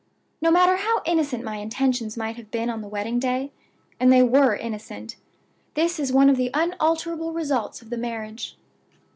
No matter how innocent my intentions might have been on the wedding day and they were innocent this is one of the unalterable results of the marriage.